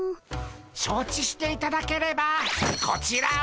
承知していただければこちらを。